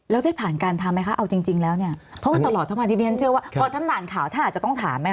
แล้วได้ผ่านการทำไหมคะเอาจริงแล้วเนี่ยเพราะตลอดธนาทีเดียวมันเจอพอท่านการท่านค่าวท่านจะต้องถามนะคะ